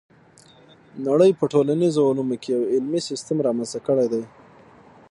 نړۍ په ټولنیزو علومو کې یو علمي سیستم رامنځته کړی دی.